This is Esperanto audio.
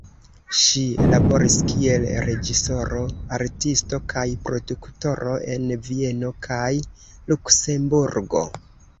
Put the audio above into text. Ŝi laboris kiel reĝisoro, artisto kaj produktoro en Vieno kaj Luksemburgo.